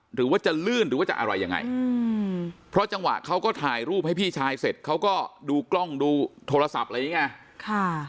หรือว่าจะลื่นหรือว่าจะอะไรยังไงเพราะจังหวะเขาก็ถ่ายรูปให้พี่ชายเสร็จเขาก็ดูกล้องดูโทรศัพท์อะไรอย่างนี้ไง